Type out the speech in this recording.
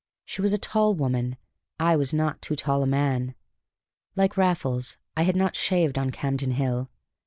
She was a tall woman; I was not too tall a man. Like Raffles, I had not shaved on Campden Hill.